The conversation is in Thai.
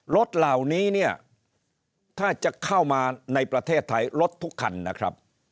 รถเหล่านี้เนี่ยถ้าจะเข้ามาในประเทศไทยรถทุกคันนะครับ